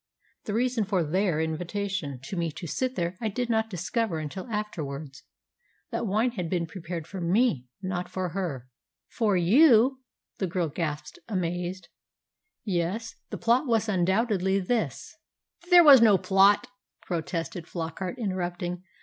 The reason of their invitation to me to sit there I did not discover until afterwards. That wine had been prepared for me, not for her." "For you!" the girl gasped, amazed. "Yes. The plot was undoubtedly this " "There was no plot," protested Flockart, interrupting.